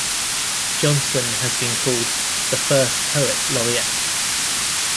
Jonson has been called 'the first poet laureate'.